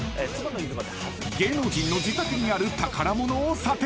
［芸能人の自宅にある宝物を査定］